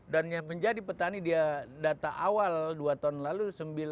dan yang menjadi petani data awal dua tahun lalu